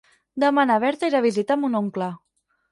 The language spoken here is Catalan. Demà na Berta irà a visitar mon oncle.